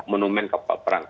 monumen kapal perang